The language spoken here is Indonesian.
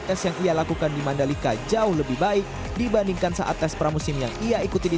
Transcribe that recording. tes yang ia lakukan di mandalika jauh lebih baik dibandingkan saat tes pramusim yang ia ikuti di